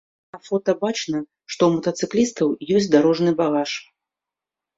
На фота бачна, што ў матацыклістаў ёсць дарожны багаж.